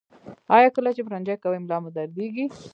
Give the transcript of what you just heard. ایا کله چې پرنجی کوئ ملا مو دردیږي؟